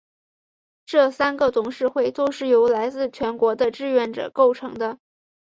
这三个董事会都是由来自全国的志愿者构成的。